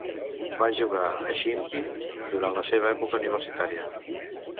Va jugar a shinty durant la seva època universitària.